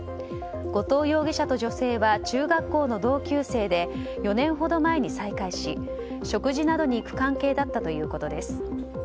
後藤容疑者と女性は中学校の同級生で４年ほど前に再会し食事などに行く関係だったということです。